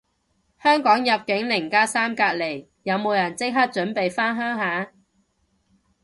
香港入境零加三隔離，有冇人即刻準備返鄉下